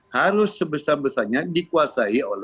pabrik juga akan dikawal